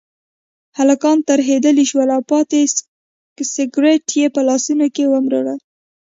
هلکان ترهېدلي شول او پاتې سګرټ یې په لاسونو کې ومروړل.